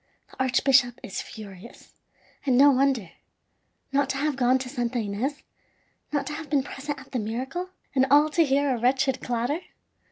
The archbishop is furious, and no wonder. Not to have gone to Santa Ines, not to have been present at the miracle and all to hear a wretched clatter!